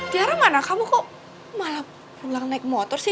jarang mana kamu kok malah pulang naik motor sih